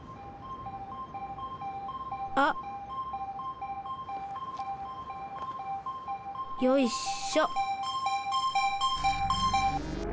あっ。よいしょ。